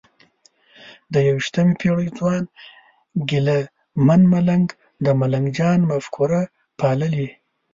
د یویشتمې پېړۍ ځوان ګیله من ملنګ د ملنګ جان مفکوره پاللې؟